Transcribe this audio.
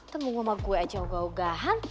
temen gue sama gue aja uga ugahan